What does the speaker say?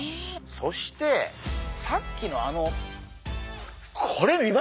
そしてさっきのあのこれ見ましたか？